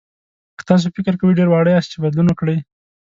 که تاسو فکر کوئ ډېر واړه یاست چې بدلون وکړئ.